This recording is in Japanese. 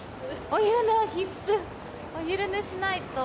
お昼寝しないと。